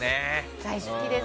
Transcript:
大好きです。